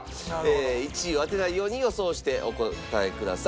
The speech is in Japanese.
１位を当てないように予想してお答えください。